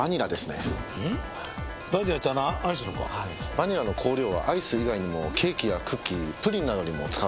バニラの香料はアイス以外にもケーキやクッキープリンなどにも使われますよ。